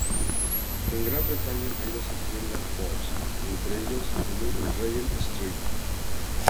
En Gran Bretaña hay doce tiendas Bose, entre ellos uno en Regent Street.